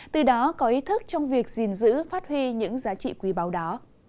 từ đó có ý thức trong việc gìn giữ phát huy những giá trị quý báu đó